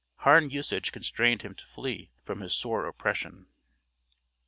Hard usage constrained him to flee from his sore oppression.